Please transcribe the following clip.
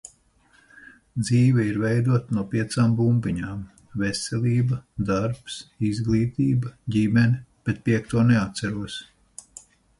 Dzīve ir veidota no piecām bumbiņām - veselība, darbs, izglītība, ģimene, bet piekto neatceros.